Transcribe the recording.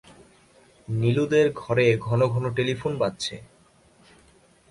নীলুদের ঘরে ঘনঘন টেলিফোন বাজছে।